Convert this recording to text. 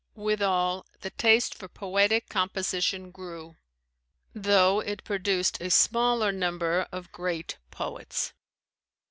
Withal, the taste for poetic composition grew, though it produced a smaller number of great poets.